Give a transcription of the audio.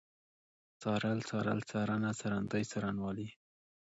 څار، څارل، څارنه، څارندوی، څارنوالي